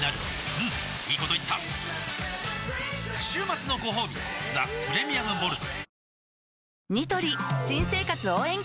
うんいいこと言った週末のごほうび「ザ・プレミアム・モルツ」